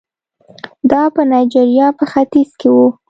دا په نایجریا په ختیځ کې وو.